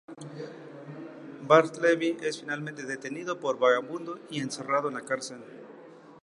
Bartleby es finalmente detenido por vagabundo y encerrado en la cárcel.